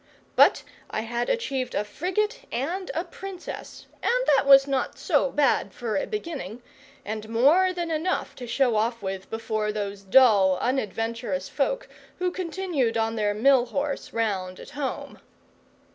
But I had achieved a frigate and a Princess, and that was not so bad for a beginning, and more than enough to show off with before those dull unadventurous folk who continued on their mill horse round at home.